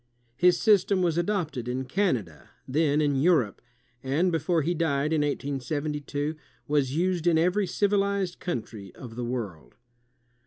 His system was adopted in Can ada, then in Europe, and before he died, in 1872, was used in every civilized country of the world.